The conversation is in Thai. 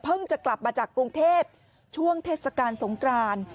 จะกลับมาจากกรุงเทพช่วงเทศกาลสงกราน